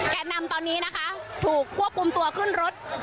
แก่นำตอนนี้นะคะถูกควบคุมตัวขึ้นรถ